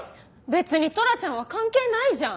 別にトラちゃんは関係ないじゃん！